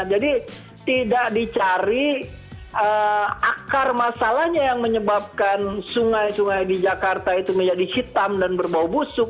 jadi tidak dicari akar masalahnya yang menyebabkan sungai sungai di jakarta itu menjadi hitam dan berbau busuk